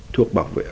thuốc bảo vệ